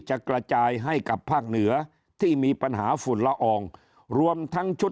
จะกระจายให้กับภาคเหนือที่มีปัญหาฝุ่นละอองรวมทั้งชุด